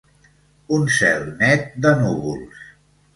Un cel net de núvols.